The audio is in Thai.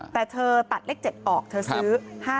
แต่เธอตัดเลข๗ออกเธอซื้อ๕๗